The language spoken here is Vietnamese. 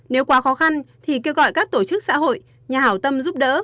nếu quá khó khăn thì kêu gọi các tổ chức xã hội nhà hảo tâm giúp đỡ